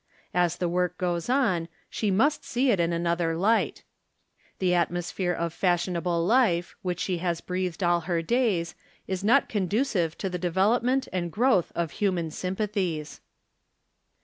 As the work goes on, she must see it in another light. The atmosphere of fashionable life, which she has breathed all her days, is not conducive to the development and growth of human sympathies.